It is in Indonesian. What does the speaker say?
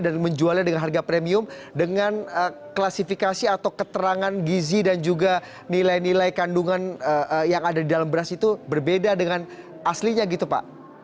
dan menjualnya dengan harga premium dengan klasifikasi atau keterangan gizi dan juga nilai nilai kandungan yang ada di dalam beras itu berbeda dengan aslinya gitu pak